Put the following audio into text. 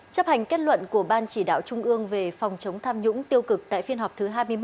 chấp hành kết luận của ban chỉ đạo trung ương về phòng chống tham nhũng tiêu cực tại phiên họp thứ hai mươi một